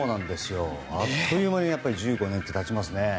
あっという間に１５年ってたちますね。